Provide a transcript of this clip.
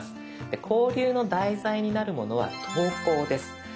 で交流の題材になるものは投稿です。